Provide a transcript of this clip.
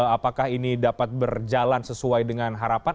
apakah ini dapat berjalan sesuai dengan harapan